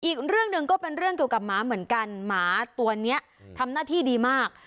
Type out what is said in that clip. อีกเรื่องหนึ่งก็เป็นเรื่องเกี่ยวกับหมาเหมือนกันหมาตัวนี้ทำหน้าที่ดีมาก